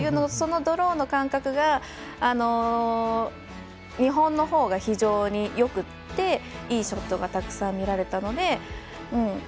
そのドローの感覚が日本のほうは非常によくていいショットがたくさん見られたので。